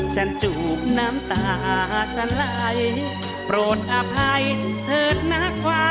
ฉันจูบน้ำตาฉันไหลโปรดอภัยเถิดนะควันตา